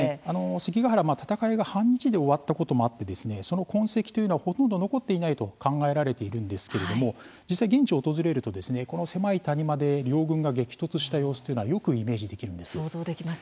関ケ原は、戦いが半日で終わったこともあってその痕跡はほとんど残っていないと考えられているんですけれども実際、現地を訪れるとこの狭い谷間で両軍が激突した様子はよくイメージできるんです。